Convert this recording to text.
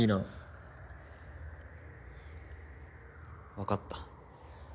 わかった。